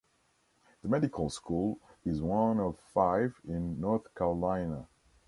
The medical school is one of five in North Carolina.